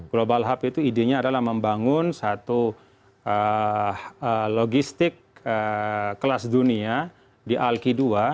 global hub itu idenya adalah membangun satu logistik kelas dunia di alki ii